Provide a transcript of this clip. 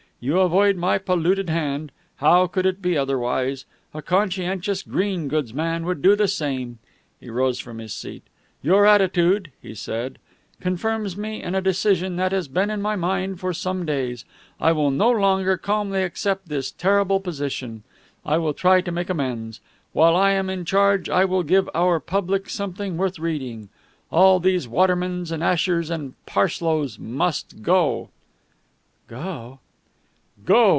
You avoid my polluted hand. How could it be otherwise? A conscientious green goods man would do the same." He rose from his seat. "Your attitude," he said, "confirms me in a decision that has been in my mind for some days. I will no longer calmly accept this terrible position. I will try to make amends. While I am in charge, I will give our public something worth reading. All these Watermans and Ashers and Parslows must go!" "Go!" "Go!"